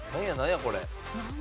これ。